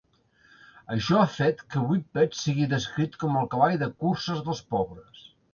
Això ha fet que Whippets sigui descrit com el cavall de curses dels pobres.